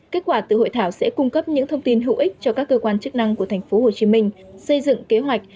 kết quả từ hội thảo sẽ cung cấp những thông tin hữu ích cho các cơ quan chức năng của tp hcm xây dựng kế hoạch